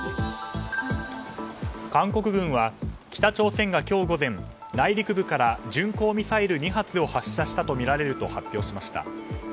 韓国軍は北朝鮮が今日午前内陸部から巡航ミサイル２発を発射したとみられると発表しました。